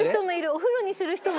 お風呂にする人も。